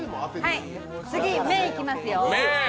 次、麺いきますよ。